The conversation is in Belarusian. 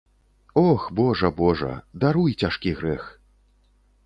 Ох, божа, божа, даруй цяжкі грэх.